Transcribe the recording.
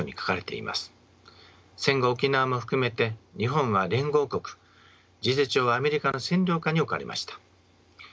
戦後沖縄も含めて日本は連合国事実上はアメリカの占領下に置かれました。